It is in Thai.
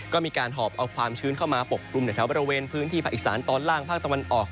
ก็มีการหอบเอาความชื้นเข้ามาปกกลุ่มในแถวบริเวณพื้นที่ภาคอีสานตอนล่างภาคตะวันออก